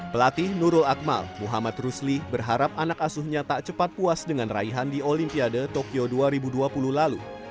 pelatih nurul akmal muhammad rusli berharap anak asuhnya tak cepat puas dengan raihan di olimpiade tokyo dua ribu dua puluh lalu